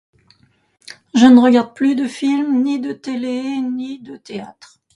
Je ne regarde plus de films, ni de télé, ni de théâtre.